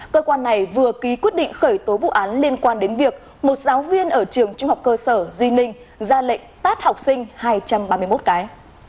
cơ quan này vừa ký quyết định khởi tố vụ án liên quan đến việc một giáo viên ở trường trung học cơ sở duy ninh ra lệnh tát học sinh hai trăm ba mươi một cái